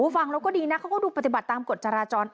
ฟังแล้วก็ดีนะเขาก็ดูปฏิบัติตามกฎจราจร